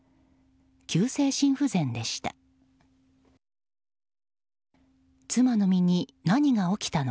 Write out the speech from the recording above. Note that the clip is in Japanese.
急性心不全でした。